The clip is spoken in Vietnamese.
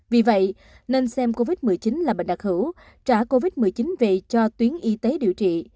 vì vậy nên xem covid một mươi chín là bệnh đặc hữu trả covid một mươi chín về cho tuyến y tế điều trị